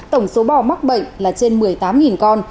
tổng số bò mắc bệnh là trên một mươi tám con